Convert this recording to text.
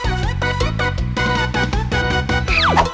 เฮ้ย